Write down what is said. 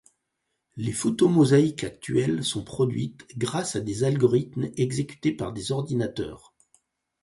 Les photomosaïques actuelles sont produites grâce à des algorithmes exécutés par des ordinateurs.